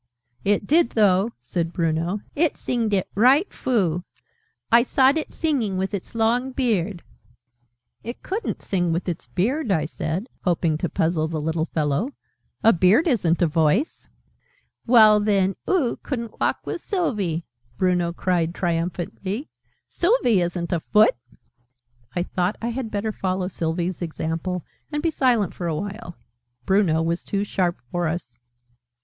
"It did, though!" said Bruno. "It singed it right froo. I sawed it singing with its long beard " "It couldn't sing with its beard," I said, hoping to puzzle the little fellow: "a beard isn't a voice." "Well then, oo couldn't walk with Sylvie!" Bruno cried triumphantly. "Sylvie isn't a foot!" I thought I had better follow Sylvie's example, and be silent for a while. Bruno was too sharp for us.